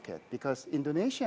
karena pasar truk indonesia